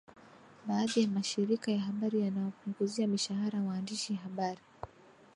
baadhi ya mashirika ya habari yanawapunguzia mishahara waandishi habari